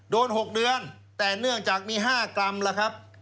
๖เดือนแต่เนื่องจากมี๕กรัมล่ะครับ